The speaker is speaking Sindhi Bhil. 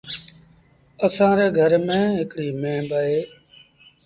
اسآݩ ري گھر ميݩ هڪڙيٚ ميݩهن با اهي۔